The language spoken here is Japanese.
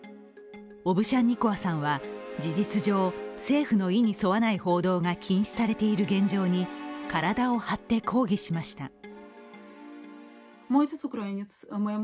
オブシャンニコワさんは事実上政府の意に沿わない報道が禁止されている現状に体を張って抗議しました。